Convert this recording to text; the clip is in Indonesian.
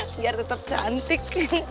biar tetep cantik